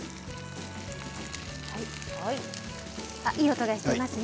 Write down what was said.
いい音がしていますね。